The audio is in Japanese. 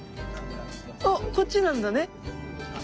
あっこっちなんだね。